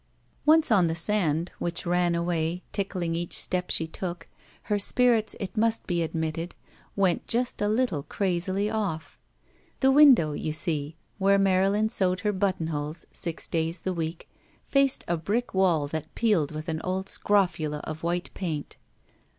126 THE VERTICAL CITY Once on the sand, which ran away, tickling each step she took, her spirits, it must be admitted, went just a little crazily oflf. The window, you see, where Marylin sewed her buttonholes six days the week, faced a brick wall that peeled with an old scrofula of white paint.